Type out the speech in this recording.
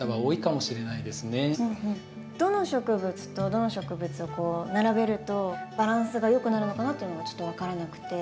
どの植物とどの植物を並べるとバランスがよくなるのかなっていうのがちょっと分からなくて。